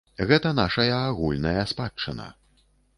Гэта нашая агульная спадчына.